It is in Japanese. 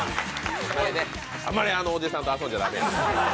あんまりあのおじさんと遊んじゃ駄目。